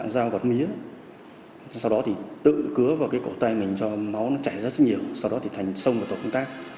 sau đó thì tự cứa vào cái cổ tay mình cho máu nó chảy rất nhiều sau đó thì thành sông vào tòa công tác